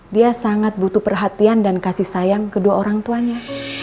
dia sangat butuh perhatian dan kasih sayang kedua orang tuanya